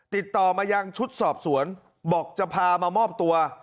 ติดต่อมายังชุดสอบสวนบอกจะพามามอบตัว